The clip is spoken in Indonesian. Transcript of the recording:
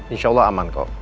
insya allah aman kok